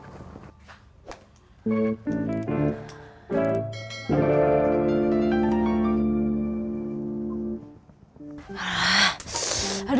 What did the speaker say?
aku udah keras